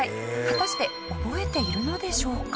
果たして覚えているのでしょうか？